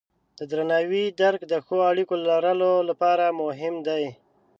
د درناوي درک د ښو اړیکو لرلو لپاره مهم دی.